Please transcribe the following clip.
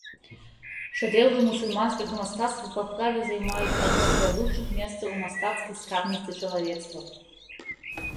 Шэдэўры мусульманскага мастацтва па праве займаюць адно з вядучых месцаў у мастацкай скарбніцы чалавецтва.